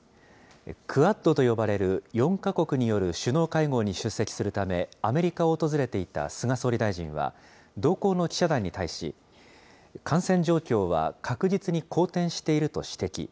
クアッドと呼ばれる４か国による首脳会合に出席するためアメリカを訪れていた菅総理大臣は、同行の記者団に対し、感染状況は確実に好転していると指摘。